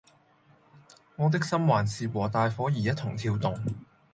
我的心還是和大夥兒一同跳動